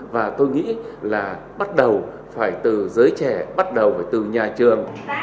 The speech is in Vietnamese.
và tôi nghĩ là bắt đầu phải từ giới trẻ bắt đầu phải từ nhà trường